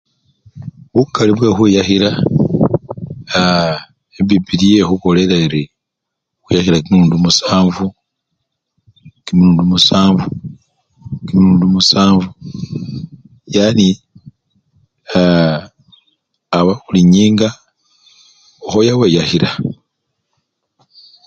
Bukali bwe khukhwiyakhila aaa! epipiliya ekhubolela erii khwiyakhila kimilundu musanvu kimilundu musanvu kimilundu musanvu yani Aaa aba bulinyinga okhoya weyakhila.